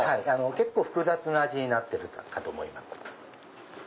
結構複雑な味になってるかと思います。